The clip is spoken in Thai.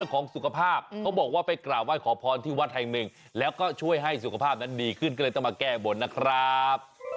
ของสุขภาพเขาบอกว่าไปกราบไห้ขอพรที่วัดแห่งหนึ่งแล้วก็ช่วยให้สุขภาพนั้นดีขึ้นก็เลยต้องมาแก้บนนะครับ